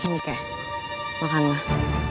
ini kakek makanlah